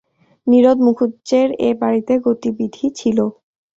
নীরদ মুখুজ্জের এ বাড়িতে গতিবিধি ছিল।